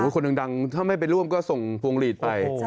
คนหนึ่งดังถ้าไม่ร่วมก็ส่งวงหลีดไป